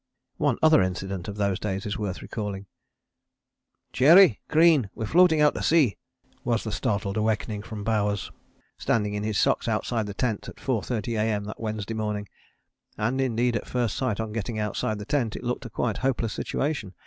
One other incident of those days is worth recalling. "Cherry, Crean, we're floating out to sea," was the startling awakening from Bowers, standing in his socks outside the tent at 4.30 A.M. that Wednesday morning. And indeed at first sight on getting outside the tent it looked a quite hopeless situation.